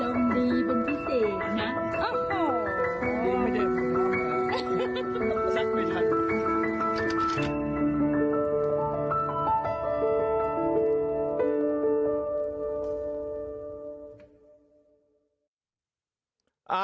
ดีเป็นพิเศษนะ